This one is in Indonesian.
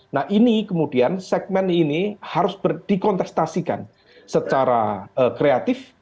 nah ini kemudian segmen ini harus dikontestasikan secara kreatif